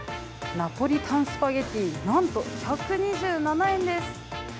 ナポリタンスパゲッティなんと１２７円です。